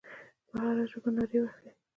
په هره ژبه نارې وهي.